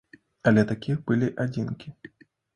Але такіх былі адзінкі.